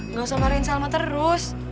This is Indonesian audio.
nggak usah marahin salma terus